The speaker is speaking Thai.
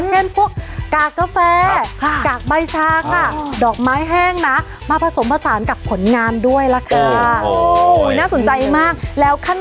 เช่นพวกกากกาแฟกากใบชาค่ะดอกไม้แห้งนะมาผสมผสานกับผลงานด้วยล่ะค่ะ